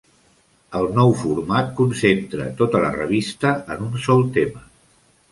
El nou format concentra tota la revista en un sol tema.